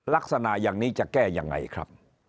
ลักษณะอย่างนี้จะแก้ยังไงครับ